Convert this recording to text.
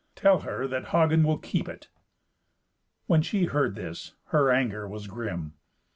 Tell her that Hagen will keep it." When she heard this, her anger was grim.